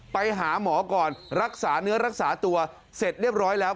ไปหาหมอก่อนรักษาเนื้อรักษาตัวเสร็จเรียบร้อยแล้ว